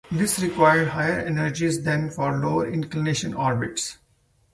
This required higher energies than for lower inclination orbits.